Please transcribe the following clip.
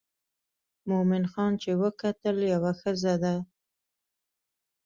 مومن خان چې وکتل یوه ښځه ده.